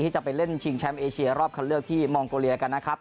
จะไปเล่นชิงแชมป์เอเชียรอบคันเลือกที่มองโกเลียกันนะครับ